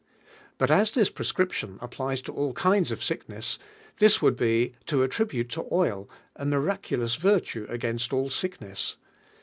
But as this proscription applies to all kinds of sickness, this would be to attribute to oil a miraculous virtue against all sickness.